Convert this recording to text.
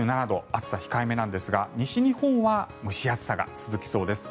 暑さ控えめなんですが西日本は蒸し暑さが続きそうです。